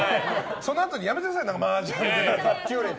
そのあとにやめてください。